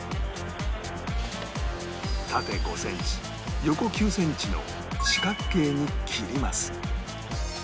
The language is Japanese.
縦５センチ横９センチの四角形に切ります